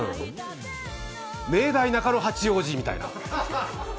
明大中野八王子みたいな。